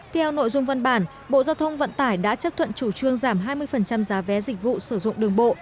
theo nội dung văn bản bộ giao thông vận tải đã chấp thuận chủ trương giảm hai mươi giá vé dịch vụ sử dụng đường bộ